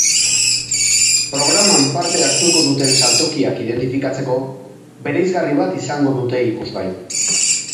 Programan parte hartuko duten saltokiak identifikatzeko, bereizgarri bat izango dute ikusgai.